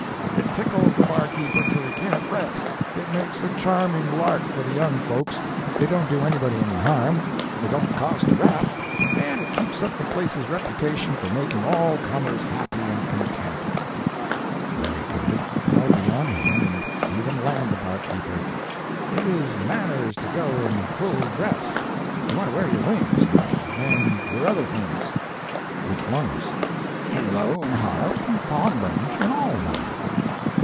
It tickles the barkeeper till he can't rest, it makes a charming lark for the young folks, it don't do anybody any harm, it don't cost a rap, and it keeps up the place's reputation for making all comers happy and content." "Very good. I'll be on hand and see them land the barkeeper." "It is manners to go in full dress. You want to wear your wings, you know, and your other things." "Which ones?" "Halo, and harp, and palm branch, and all that."